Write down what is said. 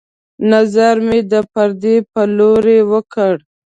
نظر مې د پردې په لورې وکړ